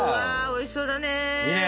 おいしそうだね！